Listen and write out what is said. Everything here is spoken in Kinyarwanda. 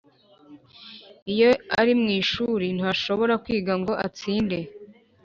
Iyo ari mw ishuri, ntashobora kwiga ngo atsinde